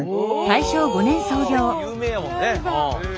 関有名やもんね。